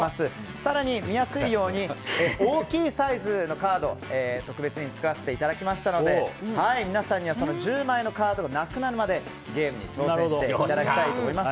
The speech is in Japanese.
更に見やすいように大きいサイズのカードを特別に作らせていただきましたので皆さんには１０枚のカードがなくなるまでゲームに挑戦していただきたいと思います。